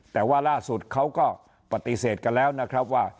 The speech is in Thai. แต่ว่าล่าสุดเขาก็ปฏิเสธกันแล้วนะครับว่า